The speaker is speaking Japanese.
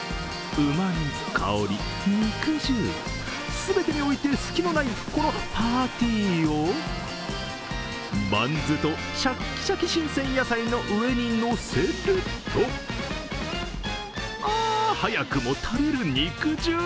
うまみ、香り、肉汁、全てにおいて隙のないこのパティをバンズとシャキシャキ新鮮野菜の上に乗せると早くも垂れる肉汁。